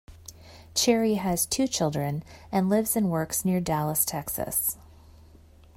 Cherry has two children and lives and works near Dallas, Texas.